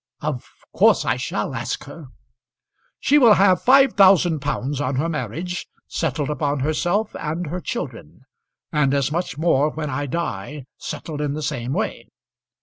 "Of course I shall ask her." "She will have five thousand pounds on her marriage, settled upon herself and her children, and as much more when I die, settled in the same way.